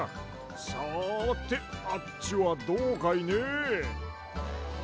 さてあっちはどうかいね。